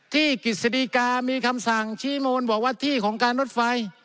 ที่กฤษฎีกามีคำสั่งชี้โมนบอกว่าที่ของการรถไฟ